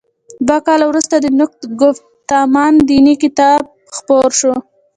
دوه کاله وروسته د نقد ګفتمان دیني کتاب خپور شو.